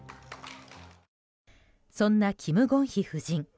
そんなキム・ゴンヒ夫人